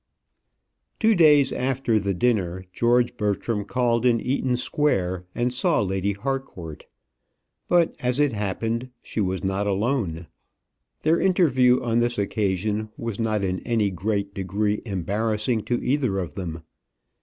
Two days after the dinner, George Bertram called in Eaton Square and saw Lady Harcourt; but, as it happened, she was not alone. Their interview on this occasion was not in any great degree embarrassing to either of them.